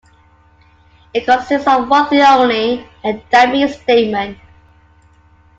It consists of one thing only; a dummy statement.